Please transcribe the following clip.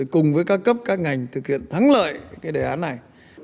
cùng với các cấp các ngành thực hiện thắng lợi cái đề án này